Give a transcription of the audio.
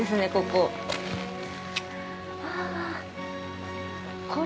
ここ。